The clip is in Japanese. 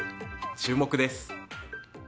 注目です。